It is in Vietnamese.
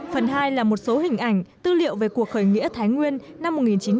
phần hai là một số hình ảnh tư liệu về cuộc khởi nghĩa thái nguyên năm một nghìn chín trăm bảy mươi